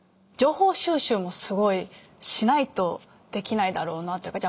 情報収集もすごいしないとできないだろうなと。